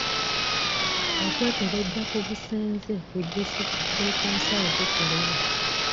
Okwekebeja ku busenze ku disitulikiti z'okunsalo kukolebwa.